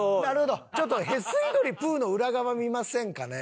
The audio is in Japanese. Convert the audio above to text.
ちょっと屁吸い鳥プーの裏側見ませんかね？